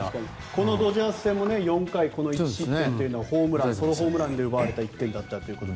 このドジャース戦も４回１失点というのはソロホームランで奪われた１点だったということで。